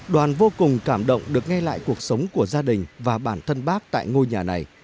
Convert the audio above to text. đoàn vô cùng cảm động được nghe lại cuộc sống của gia đình và bản thân bác tại ngôi nhà này